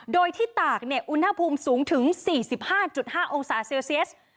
โดยที่ตากอุณหภูมิสูงถึง๔๕๕องศาเซลเซียส